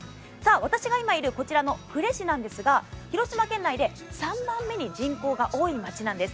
私が今いるこちらの呉市なんですが、広島県内で３番目に人口が多い街なんです。